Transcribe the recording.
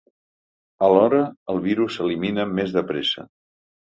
Alhora, el virus s’elimina més de pressa.